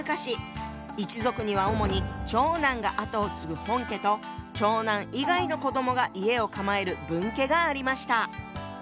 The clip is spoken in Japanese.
一族には主に長男が跡を継ぐ「本家」と長男以外の子どもが家を構える「分家」がありました。